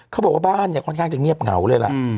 เขาบอกว่าบ้านเนี่ยค่อนข้างจะเงียบเหงาเลยล่ะ